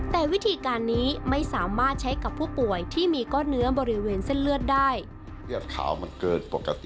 แต่วิธีการนี้ไม่สามารถใช้กับผู้ป่วยที่มีก้อนเนื้อบริเวณเส้นเลือดได้